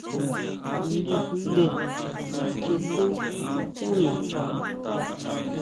Niʼyujinʼndé sikjiʼesun yá nacha.